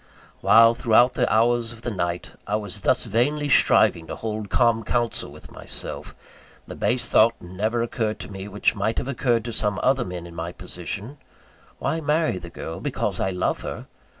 While, throughout the hours of the night, I was thus vainly striving to hold calm counsel with myself; the base thought never occurred to me, which might have occurred to some other men, in my position: Why marry the girl, because I love her?